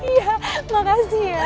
iya makasih ya